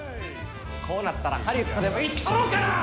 こうなったらハリウッドでも行ったろうかな！